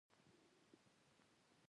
دښته د خاموشۍ کور دی.